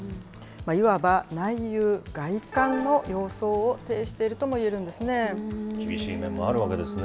いわば内憂外患の様相を呈しているともいえるんですね。